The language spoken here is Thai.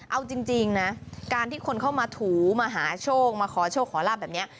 เอาจริงนะการที่คนเข้ามาถูมาหาโชคมาขอโชคขอลาบแบบนี้